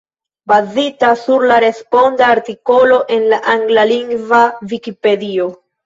Bazita sur la responda artikolo en la anglalingva Vikipedio.